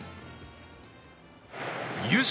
優勝